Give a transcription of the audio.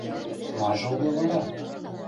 Мажы улы вара?